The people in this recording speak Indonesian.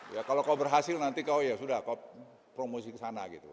ya kalau kau berhasil nanti kau ya sudah kau promosi ke sana gitu